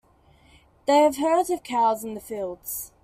They have herds of cows in the fields.